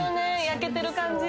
焼けてる感じ。